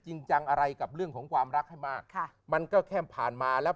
จริงจังอะไรกับเรื่องของความรักให้มากค่ะมันก็แค่ผ่านมาแล้ว